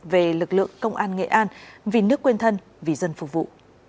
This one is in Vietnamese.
về lực lượng công an nghệ an vì nước quên thân vì dân phục vụ